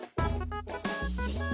よしよし。